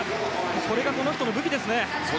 これが、この人の武器ですね。